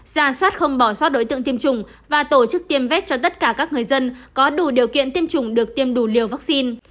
ra soát không bỏ sót đối tượng tiêm chủng và tổ chức tiêm vét cho tất cả các người dân có đủ điều kiện tiêm chủng được tiêm đủ liều vaccine